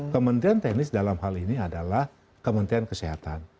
kementerian teknis dalam hal ini adalah kementerian kesehatan